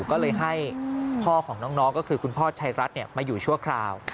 ก็เลยให้พ่อของน้องก็คือคุณพ่อชัยรัฐมาอยู่ชั่วคราว